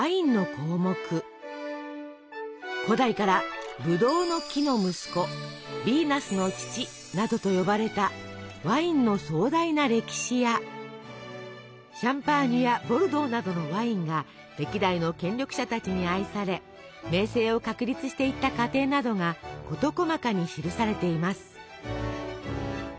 古代から「ぶどうの木の息子」「ヴィーナスの乳」などと呼ばれたワインの壮大な歴史やシャンパーニュやボルドーなどのワインが歴代の権力者たちに愛され名声を確立していった過程などが事細かに記されています。